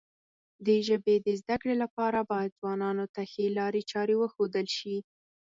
د ژبې د زده کړې لپاره باید ځوانانو ته ښې لارې چارې وښودل شي.